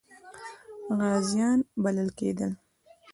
غازیان بلل کېدل.